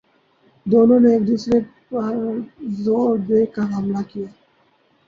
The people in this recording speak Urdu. دونوں نے ایک دوسرے پرزوردار حملہ کیا